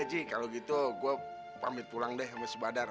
eh ji kalau gitu gua pamit pulang deh sama si badar